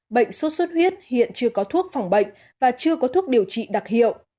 bệnh sốt xuất huyết hiện chưa có thuốc phòng bệnh và chưa có thuốc điều trị đặc hiệu